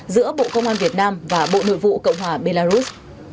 giữa bộ công an việt nam và bộ nội vụ cộng hòa belarus